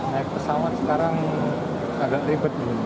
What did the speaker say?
naik pesawat sekarang agak ribet